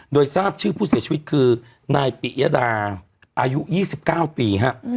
โดยทราบชื่อผู้เสียชีวิตคือนายปิยดาอายุ๒๙ปีฮะ